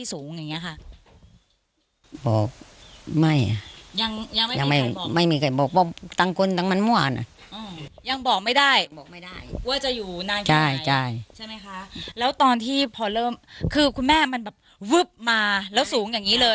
แล้วตอนที่พอเริ่มคือคุณแม่มันแบบวึบมาแล้วสูงอย่างนี้เลย